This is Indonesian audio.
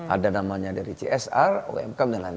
ada namanya dari csr umkm dll